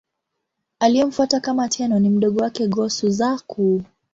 Aliyemfuata kama Tenno ni mdogo wake, Go-Suzaku.